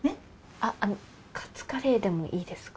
あっあのカツカレーでもいいですか？